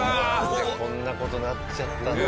なんでこんな事になっちゃったんだ。